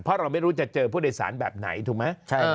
เพราะเราไม่รู้จะเจอผู้โดยสารแบบไหนถูกไหม